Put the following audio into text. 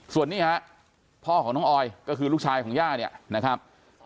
ส่วนนี้ฮะพ่อของน้องออยก็คือลูกชายของย่าเนี่ยนะครับ